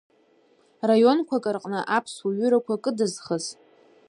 Раионқәак рҟны аԥсуа ҩырақәа кыдызхыз?